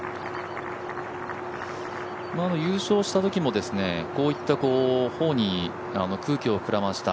優勝したときもこういった頬に空気を膨らませた